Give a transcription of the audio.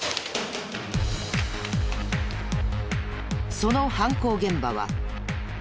その犯行現場は。